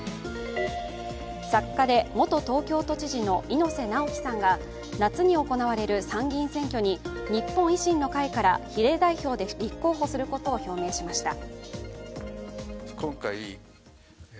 作家で元東京都知事の猪瀬直樹さんが、夏に行われる参議院選挙に日本維新の会から比例代表で立候補することを表明しました。